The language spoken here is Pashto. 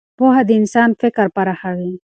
پوهه د انسان فکر پراخوي.